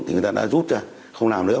thì người ta đã rút ra không làm nữa